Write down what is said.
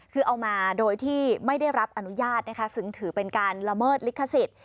คือเอามาโดยที่ไม่ได้รับอนุญาตนะคะซึ่งถือเป็นการละเมิดลิขสิทธิ์